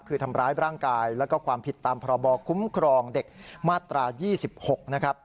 คือทำร้ายร่างกายแล้วก็ความผิดตามพรบคุ้มครองเด็กมาตรา๒๖นะครับ